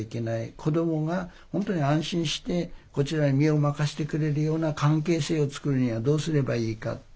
子どもが本当に安心してこちらに身を任せてくれるような関係性を作るにはどうすればいいかって。